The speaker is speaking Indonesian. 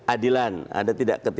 adilan ada tidak